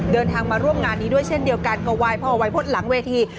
เดินทางมาร่วมงานนี้ด้วยเช่นเดียวกันก็ไหว้พ่อวัยพจน์หลังเวที